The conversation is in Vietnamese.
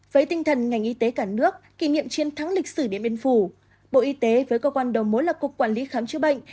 với tinh thần ngành y tế cả nước kỷ niệm chiến thắng lịch sử điện biên phủ bộ y tế với cơ quan đầu mối là cục quản lý khám chữa bệnh